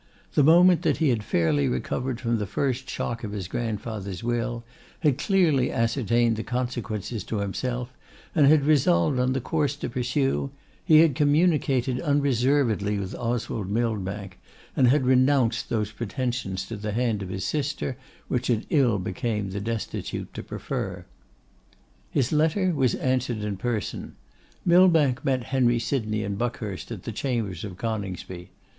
The moment that he had fairly recovered from the first shock of his grandfather's will; had clearly ascertained the consequences to himself, and had resolved on the course to pursue; he had communicated unreservedly with Oswald Millbank, and had renounced those pretensions to the hand of his sister which it ill became the destitute to prefer. His letter was answered in person. Millbank met Henry Sydney and Buckhurst at the chambers of Coningsby.